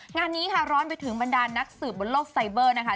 งานนี้ค่ะร้อนไปถึงบรรดานักสืบบนโลกไซเบอร์นะคะ